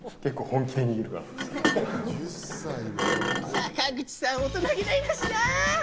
坂口さん、大人げないなっしな！